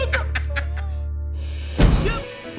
buat mbak mirna aja itu